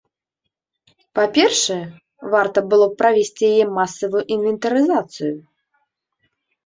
Па-першае, варта было б правесці яе масавую інвентарызацыю.